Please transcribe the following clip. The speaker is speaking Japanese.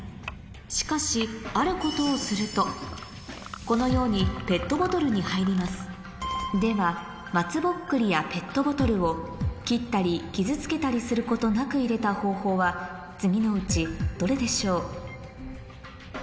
しかしあることをするとこのようにペットボトルに入りますでは松ぼっくりやペットボトルを切ったり傷つけたりすることなく入れた方法は次のうちどれでしょう？